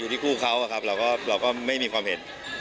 ที่คู่เขาครับเราก็ไม่มีความเห็น